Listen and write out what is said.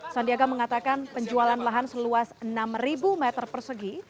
sandiaga mengatakan penjualan lahan seluas enam meter persegi